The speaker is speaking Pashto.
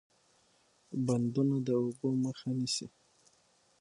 بندونه د اوبو مخه نیسي